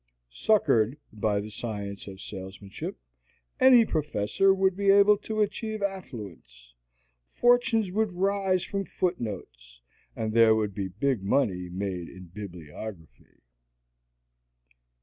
Succored by the science of salesmanship, any professor would be able to achieve affluence. Fortunes would rise from footnotes; and there would be big money made in bibliography.